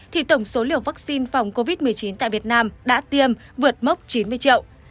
thì tổng số liều vaccine phòng covid một mươi chín tại việt nam đã tiêm vượt mốc chín mươi triệu